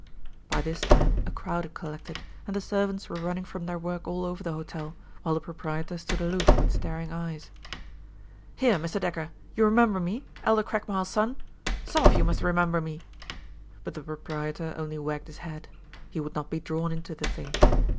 By this time a crowd had collected, and the servants were running from their work all over the hotel, while the proprietor stood aloof with staring eyes. "Here, Mr. Decker, you remember me Elder Craigmile's son? Some of you must remember me." But the proprietor only wagged his head. He would not be drawn into the thing.